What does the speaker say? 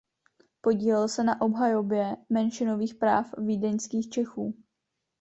Podílel se na obhajobě menšinových práv vídeňských Čechů.